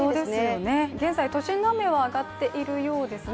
現在都心の雨は上がっているようですね。